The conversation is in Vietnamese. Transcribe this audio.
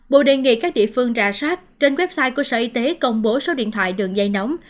bộ đề nghị các địa phương rà soát trên website của sở y tế công bố số điện thoại đường dây nóng